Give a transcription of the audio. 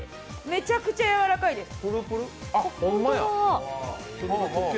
めちゃくちゃやわらかいです。